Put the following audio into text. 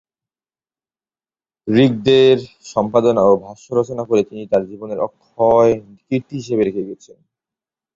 ঋগ্বেদের সম্পাদনা ও ভাষ্য রচনা করে তিনি তার জীবনের অক্ষয় কীর্তি হিসেবে রেখে গেছেন।